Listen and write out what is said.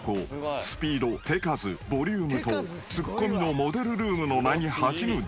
［スピード手数ボリュームとツッコミのモデルルームの名に恥じぬ出来］